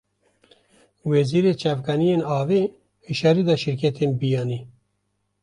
Wezîrê çavkaniyên avê, hişyarî da şîrketên biyanî